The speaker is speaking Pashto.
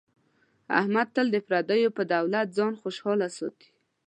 احمد تل د پردیو په دولت ځان خوشحاله ساتي.